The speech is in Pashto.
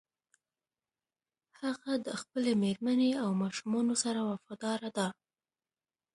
هغه د خپلې مېرمنې او ماشومانو سره وفاداره ده